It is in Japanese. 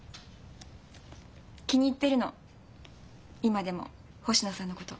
気に入ってるの今でも星野さんのこと。